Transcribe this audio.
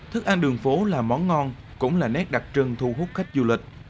thức ăn đường phố là món ngon cũng là nét đặc trưng thu hút khách du lịch